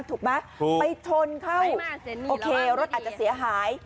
ถูกมั้ยไม่ทนเข้าโอเครถอาจเสียหาย